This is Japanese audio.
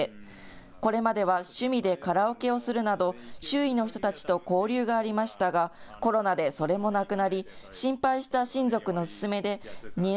これまでは趣味でカラオケをするなど、周囲の人たちと交流がありましたが、コロナでそれもなくなり、心配した親族の勧めで、２年